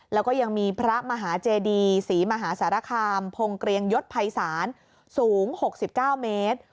แล้วก็ยังมีพระมหาเจดีศรีมหาสารคามพงเกรียงยศภัยศาลสูง๖๙เมตร